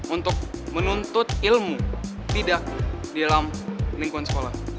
untuk menuntut ilmu tidak di dalam lingkungan sekolah